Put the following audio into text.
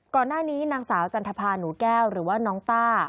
ก่อนหน้านี้นางสาวจันทภาหนูแก้วหรือว่าน้องต้า